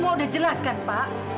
udah jelas kan pak